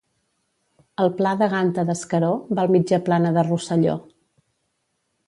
El pla de Ganta d'Escaró, val mitja plana de Rosselló.